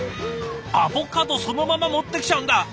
アボカドそのまま持ってきちゃうんだ。